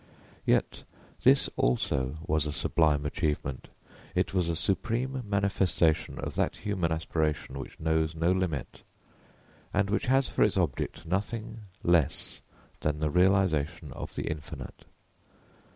Yet, this also was a sublime achievement, it was a supreme manifestation of that human aspiration which knows no limit, and which has for its object nothing less than the realisation of the Infinite.